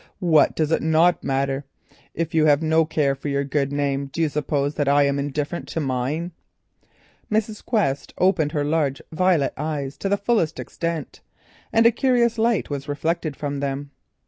"What does it not matter? If you have no care for your good name, do you suppose that I am indifferent to mine?" Mrs. Quest opened her large violet eyes to the fullest extent, and a curious light was reflected from them.